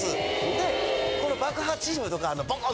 でこの爆破チームとかあのボコン！